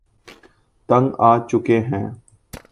تنگ آچکے ہیں